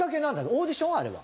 オーディション？あれは。